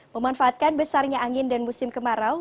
memanfaatkan besarnya angin dan musim kemarau